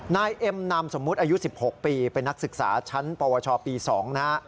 นายเอ็มนามสมมุติอายุ๑๖ปีเป็นนักศึกษาชั้นปวชปี๒นะฮะ